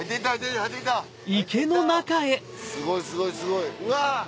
すごいすごいすごいうわ！